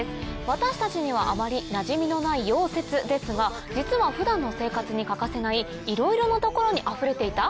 私たちにはあまりなじみのない溶接ですが実は普段の生活に欠かせないいろいろな所にあふれていた⁉